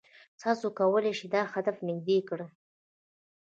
تاسو کولای شئ دا هدف نږدې کړئ.